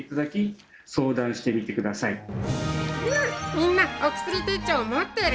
みんな、お薬手帳持ってる。